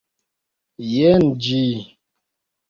Jen ĝi.